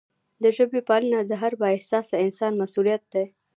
د ژبې پالنه د هر با احساسه انسان مسؤلیت دی.